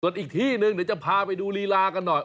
ส่วนอีกที่หนึ่งเดี๋ยวจะพาไปดูลีลากันหน่อย